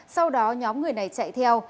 sau đó nhóm người này chạy theo